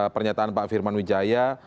pernyataan pak firman wijaya